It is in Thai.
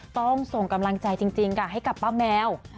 ต้องส่งกำลังใจจริงค่ะให้กับป้าแมว